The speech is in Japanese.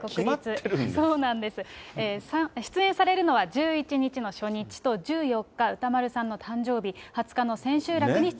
そうなんです、出演されるのは１１日の初日と１４日、歌丸さんの誕生日、３席も。